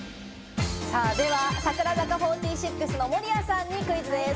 櫻坂４６の守屋さんにクイズです。